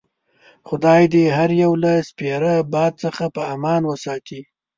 خدای دې هر یو له سپیره باد څخه په امان وساتي.